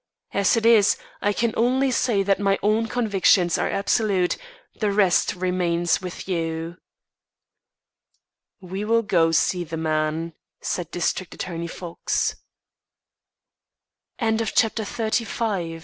As it is, I can only say that my own convictions are absolute; the rest remains with you." "We will go see the man," said District Attorney Fox. XXXVI THE SURCHARGED MOMENT For Just